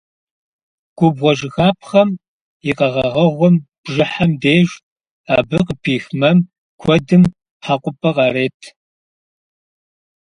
Губгъуэжыхапхъэм и къэгъэгъэгъуэм – бжьыхьэм деж, абы къыпих мэм куэдым хьэкъупӏэ къарет.